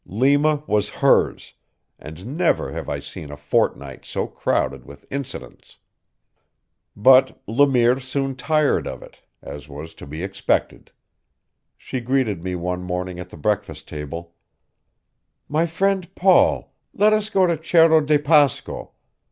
Lima was hers, and never have I seen a fortnight so crowded with incidents. But Le Mire soon tired of it, as was to be expected. She greeted me one morning at the breakfast table: "My friend Paul, let us go to Cerro de Pasco.